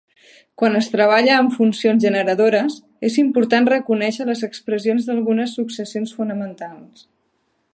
Quan es treballa amb funcions generadores, és important reconèixer les expressions d'algunes successions fonamentals.